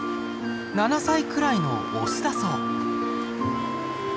７歳くらいのオスだそう。